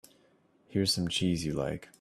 Here's some cheese you like.